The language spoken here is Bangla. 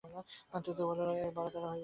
আত্মীয়েরা বলিত, এই বারো-তেরো হইবে।